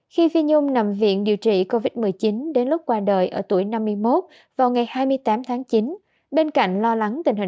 khi phi nhung nằm viện điều trị covid một mươi chín đến lúc qua đời ở tuổi năm mươi một vào ngày hai mươi tám tháng chín bên cạnh lo lắng tình hình